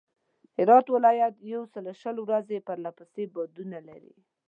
هرات ولایت یوسلوشل ورځي پرله پسې بادونه لري.